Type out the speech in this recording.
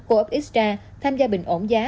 coop extra tham gia bình ổn giá